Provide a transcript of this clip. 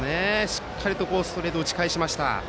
しっかりとストレートを打ち返しました。